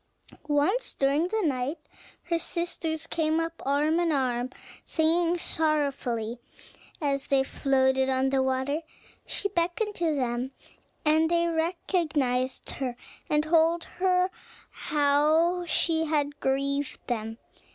Once during the night her sisters came up arm in arm, singing sorrowfully, as they floated on the water. She beckoned to them, and then they recognized her, and told her how she had grieved them.